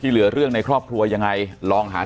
ที่เหลือเรื่องในครอบครัวยยังไง